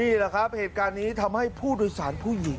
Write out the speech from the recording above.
นี่แหละครับเหตุการณ์นี้ทำให้ผู้โดยสารผู้หญิง